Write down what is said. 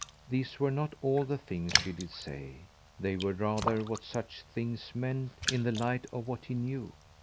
These were not all the things she did say; they were rather what such things meant in the light of what he knew.